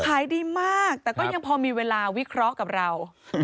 ขายดีมากแต่ก็ยังพอมีเวลาวิเคราะห์กับเรา